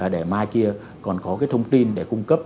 để mai kia còn có cái thông tin để cung cấp